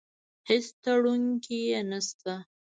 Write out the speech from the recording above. هېڅ تروړونکی يې نشته.